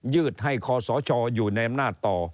ืดให้คอสชอยู่ในอำนาจต่อ